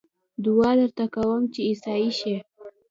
دعا درته کووم چې عيسائي شې